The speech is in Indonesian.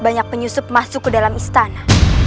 banyak penyusup masuk ke dalam istana